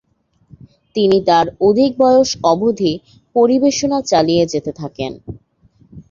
তিনি তাঁর অধিক বয়স অবধি পরিবেশনা চালিয়ে যেতে থাকেন।